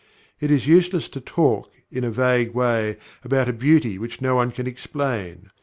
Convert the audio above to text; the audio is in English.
It is useless to talk, in a vague way, about a beauty which no one can explain.